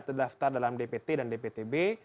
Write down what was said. terdaftar dalam dpt dan dptb